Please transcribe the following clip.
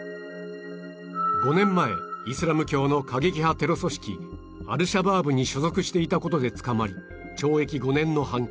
５年前イスラム教の過激派テロ組織アル・シャバーブに所属していた事で捕まり懲役５年の判決